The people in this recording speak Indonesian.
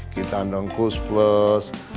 kita undang goose plus